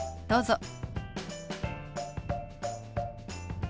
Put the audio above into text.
どうぞ。